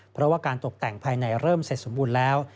เพราะว่าการตกแต่งภายในเริ่มเสร็จสมบูรณ์แล้ว